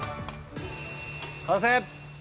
◆完成。